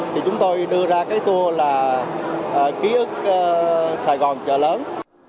thì chúng tôi đưa ra cái tour là ký ức sài gòn chợ lớn